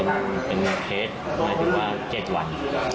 ต้องเป็นเคสให้ที่ว่า๗วัน